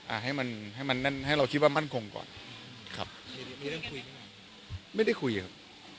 อ่าให้มันให้มันแน่นให้เราคิดว่ามันคงก่อนครับไม่ได้คุยครับ